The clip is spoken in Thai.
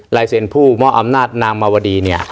ลายเซ็นต์ผู้มอบอำนาจนางมาวดีเนี่ย